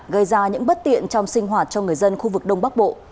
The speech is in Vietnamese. gây ra những bất tiện trong sinh hoạt cho người dân khu vực đông bắc bộ